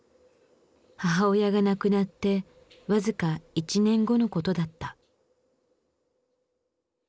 母親が亡くなって僅か１年後のことだった。